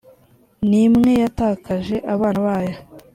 n imwe yatakaje abana bayo